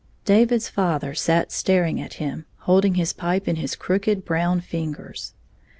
David's father sat staring at him, holding hia pipe in his crooked brown fingers.